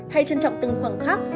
hãy trân trọng từng khoảng khắc